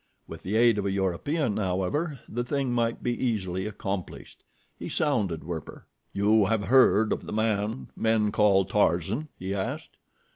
With the aid of a European, however, the thing might be easily accomplished. He sounded Werper. "You have heard of the man men call Tarzan?" he asked.